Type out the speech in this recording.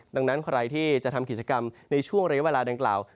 ดังนั้นใครที่จะทำกิจกรรมในช่วงระยะเวลาดังกล่าว